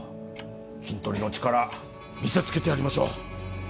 キントリの力見せつけてやりましょう。